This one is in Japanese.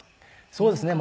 そうですね。